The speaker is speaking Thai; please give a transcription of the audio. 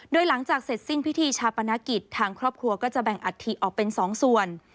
โดยหลังจากเสร็จสิ้นพิธีชาปนกิจทางครอบครัวก็จะแบ่งอัฐิออกเป็น๒ส่วน